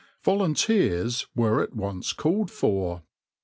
Volunteers were at once called for.